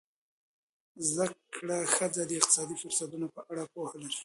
زده کړه ښځه د اقتصادي فرصتونو په اړه پوهه لري.